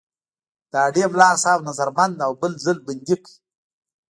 د هډې ملاصاحب نظر بند او بل ځل بندي کړ.